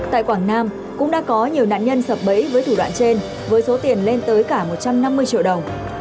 tại quảng nam cũng đã có nhiều nạn nhân sập bẫy với thủ đoạn trên với số tiền lên tới cả một trăm năm mươi triệu đồng